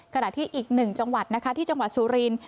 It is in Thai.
ขณะที่อีก๑จังหวัดนะคะที่จังหวัดซูรีน